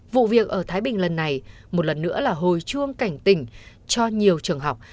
vụ việc ở thái bình lần này một lần nữa là hồi chuông cảnh tỉnh cho nhiều trường học